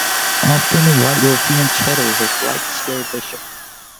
Often, White will fianchetto his light-square bishop.